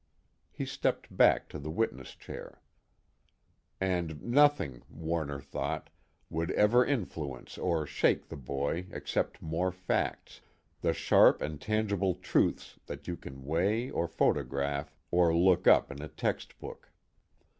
He stepped back to the witness chair. And nothing, Warner thought, would ever influence or shake the boy except more facts, the sharp and tangible truths that you can weigh or photograph or look up in a textbook.